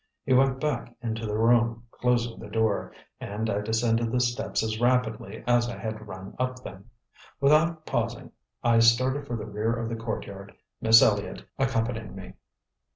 He went back into the room, closing the door, and I descended the steps as rapidly as I had run up them. Without pausing, I started for the rear of the courtyard, Miss Elliott accompanying me.